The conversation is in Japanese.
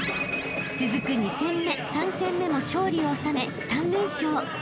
［続く２戦目３戦目も勝利を収め３連勝］